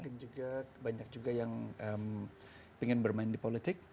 mungkin juga banyak juga yang ingin bermain di politik